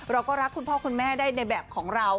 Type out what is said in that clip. เราก็รักคุณพ่อคุณแม่ได้ในแบบของเรา